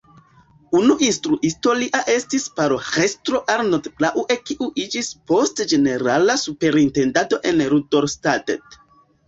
Unu instruisto lia estis paroĥestro Arnold Braue kiu iĝis poste ĝenerala superintendanto en Rudolstadt.